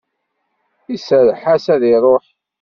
Iserreḥ-as ad iruḥ.